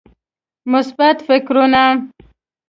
مثبت فکرونه